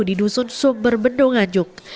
di dusun sumber bedo nganjuk